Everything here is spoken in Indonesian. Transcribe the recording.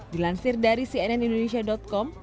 dilansir dari cnnindonesia com